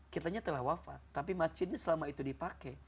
kitanya telah wafat tapi masjidnya selama itu dipakai